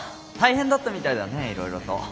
大変だったみたいだねいろいろと。